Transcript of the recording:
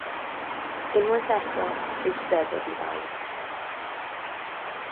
Unwaith eto eisteddodd i lawr.